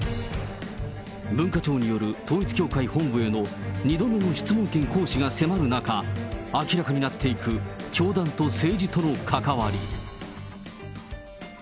文化庁による統一教会本部への２度目の質問権行使が迫る中、明らかになっていく教団と政治との関わり。